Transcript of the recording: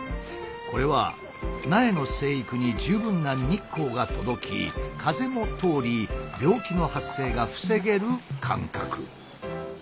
これは苗の生育に十分な日光が届き風も通り病気の発生が防げる間隔。